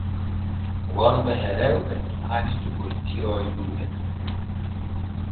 Worɓe e rewɓe haani joggontiro juuɗe.